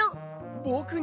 ぼくに？